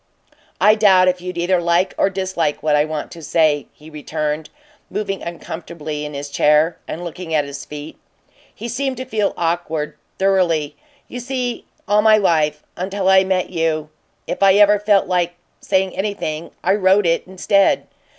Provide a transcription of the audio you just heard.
"I doubt if you'd either like or dislike what I want to say," he returned, moving uncomfortably in his chair and looking at his feet he seemed to feel awkward, thoroughly. "You see, all my life until I met you if I ever felt like saying anything, I wrote it instead.